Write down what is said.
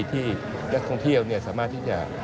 ที่นักท่องเที่ยวสามารถที่จะ